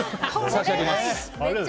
差し上げます。